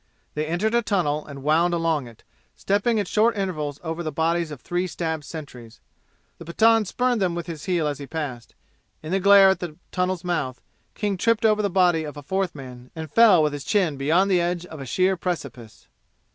They entered a tunnel and wound along it, stepping at short intervals over the bodies of three stabbed sentries. The Pathan spurned them with his heel as he passed. In the glare at the tunnel's mouth King tripped over the body of a fourth man and fell with his chin beyond the edge of a sheer precipice.